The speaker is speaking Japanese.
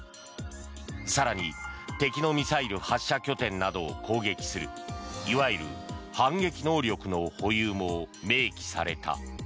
更に敵のミサイル発射拠点などを攻撃するいわゆる反撃能力の保有も明記された。